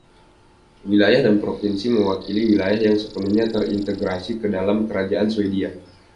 Wilayah dan Provinsi mewakili wilayah yang sepenuhnya terintegrasi ke dalam kerajaan Swedia.